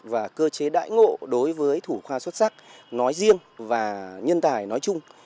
và cơ chế đãi ngộ đối với thủ khoa xuất sắc nói riêng và nhân tài nói chung